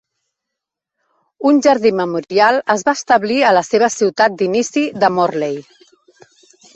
Un jardí Memorial es va establir a la seva ciutat d'inici de Morley.